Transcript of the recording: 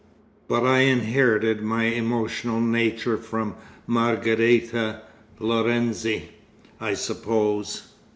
But I inherited my emotional nature from Margherita Lorenzi, I suppose.